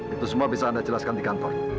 itu semua bisa anda jelaskan di kantor